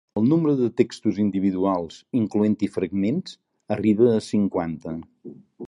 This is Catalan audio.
El nombre de textos individuals, incloent-hi fragments, arriba a cinquanta.